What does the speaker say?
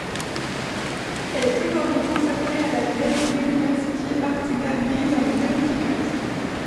Elle est aujourd'hui conservée à la Yale University Art Gallery, dans le Connecticut.